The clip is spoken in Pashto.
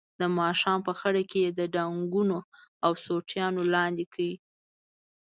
د ماښام په خړه کې یې د ډانګونو او سوټیو لاندې کړ.